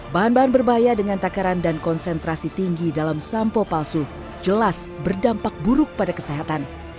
bahan bahan berbahaya dengan takaran dan konsentrasi tinggi dalam sampo palsu jelas berdampak buruk pada kesehatan